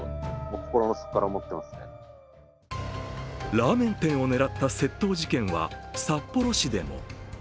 ラーメン店を狙った窃盗事件は札幌市でも。